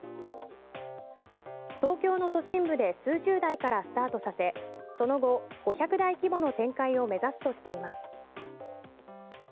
東京の都心部で数十台からスタートさせその後５００台規模の展開を目指すとしています。